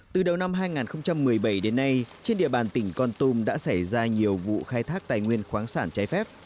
từ đầu năm hai nghìn một mươi bảy đến nay trên địa bàn tỉnh con tum đã xảy ra nhiều vụ khai thác tài nguyên khoáng sản trái phép